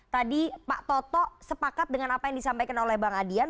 tadi pak toto sepakat dengan apa yang disampaikan oleh bang adian